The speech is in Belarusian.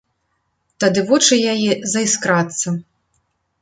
Тады вочы яе заіскрацца.